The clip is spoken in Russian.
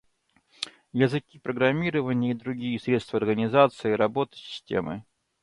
Языки программирования и другие средства организации работы системы